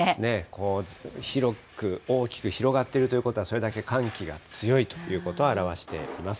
こう広く大きく広がっているということは、それだけ寒気が強いということを表しています。